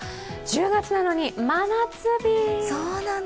１０月なのに真夏日。